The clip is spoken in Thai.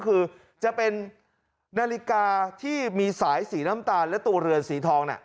คือจะเป็นนาฬิกาที่มีสายสีน้ำตาลและตัวเรือนสีทอง